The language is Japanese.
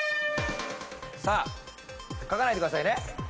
さぁ書かないでくださいね。